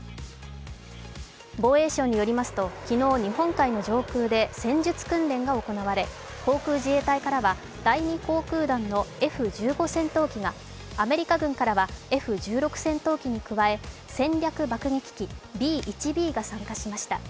防衛省によりますと、昨日、日本海の上空で戦術訓練が行われ航空自衛隊からは第２航空団のＦ−１５戦闘機がアメリカ軍からはＦ−１５戦闘機に加え、戦略爆撃機・Ｂ−１Ｂが参加しました。